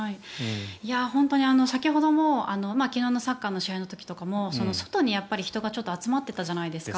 本当に先ほども昨日のサッカーの試合の時とかも外に観客が集まっていたじゃないですか。